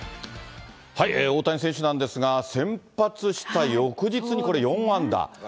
大谷選手なんですが、先発した翌日に、これ、４安打。